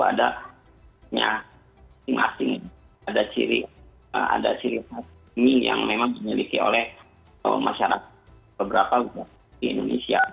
ada mie nya asing ada ciri ciri mie yang memang dimiliki oleh masyarakat beberapa di indonesia